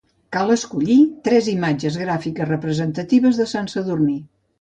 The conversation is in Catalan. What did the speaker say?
Cal escollir tres imatges gràfiques representatives de Sant Sadurní.